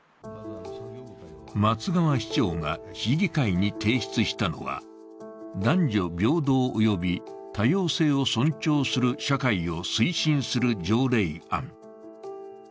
松川市長が市議会に提出したのは、男女平等及び多様性を尊重する社会を推進する条例案。